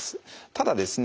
ただですね